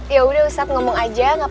yaudah usuf ngomong aja apa apa